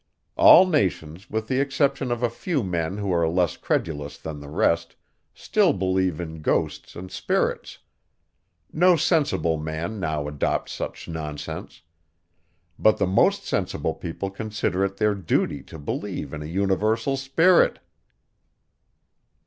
All nations, with the exception of a few men who are less credulous than the rest, still believe in ghosts and spirits. No sensible man now adopts such nonsense. But the most sensible people consider it their duty to believe in a universal spirit!